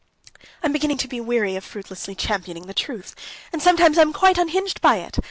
"I'm beginning to be weary of fruitlessly championing the truth, and sometimes I'm quite unhinged by it.